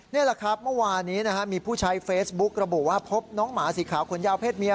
นี่แหละครับเมื่อวานนี้มีผู้ใช้เฟซบุ๊กระบุว่าพบน้องหมาสีขาวขนยาวเพศเมีย